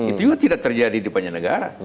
itu juga tidak terjadi di banyak negara